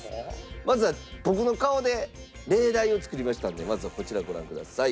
まずは僕の顔で例題を作りましたんでまずはこちらご覧ください。